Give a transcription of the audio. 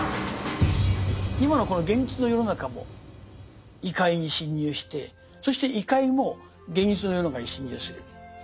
今のこの現実の世の中も異界に侵入してそして異界も現実の世の中に侵入する。